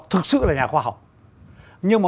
thực sự là nhà khoa học nhưng mà